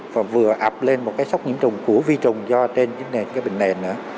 và vừa ập lên một cái sốc nhiễm trùng của vi trùng do trên cái bệnh nền nữa